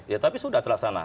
ya tapi sudah telah sana